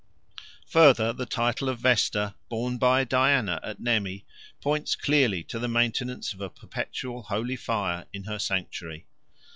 Further, the title of Vesta borne by Diana at Nemi points clearly to the maintenance of a perpetual holy fire in her sanctuary.